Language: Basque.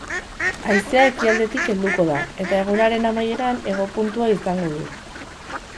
Haizea ekialdetik helduko da, eta egunaren amaieran hego puntua izango du.